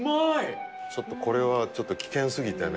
これはちょっと危険すぎてね